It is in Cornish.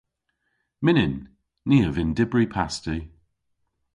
Mynnyn. Ni a vynn dybri pasti.